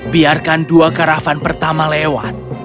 biarkan dua karavan pertama lewat